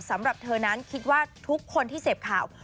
สำหรับเธอนั้นคิดว่าทุกคนที่เสพข่าว